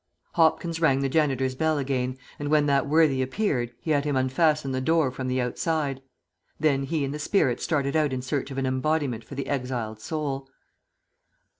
Hopkins rang the janitor's bell again, and when that worthy appeared he had him unfasten the door from the outside; then he and the spirit started out in search of an embodiment for the exiled soul.